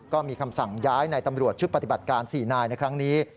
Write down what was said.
ก็มีคำสั่งย้ายในตำรวจชุดปฏิบัติการ๔นายในครั้งนี้